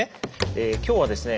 え今日はですね